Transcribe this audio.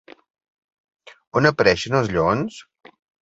On apareixen els lleons?